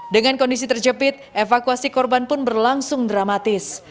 dengan kondisi terjepit evakuasi korban pun berlangsung dramatis